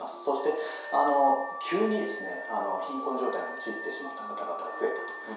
そして、急に貧困状態に陥ってしまった方々が増えたと。